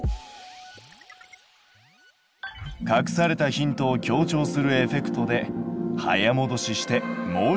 隠されたヒントを強調するエフェクトで早もどししてもう一度見てみよう。